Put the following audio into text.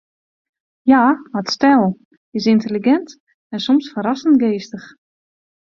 Hja hat styl, is yntelligint en soms ferrassend geastich.